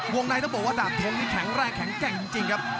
ในต้องบอกว่าดาบทงนี่แข็งแรงแข็งแกร่งจริงครับ